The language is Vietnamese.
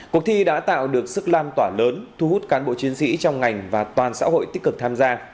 cuộc thi đã tạo được sức lam tỏa lớn thu hút cán bộ chiến sĩ trong ngành và toàn xã hội tích cực tham gia